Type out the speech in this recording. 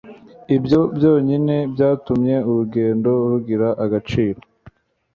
ibyo byonyine byatumye urugendo rugira agaciro